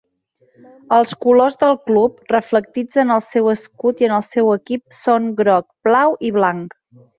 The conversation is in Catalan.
Els colors del club, reflectits en el seu escut i en el seu equip, són groc, blau i blanc.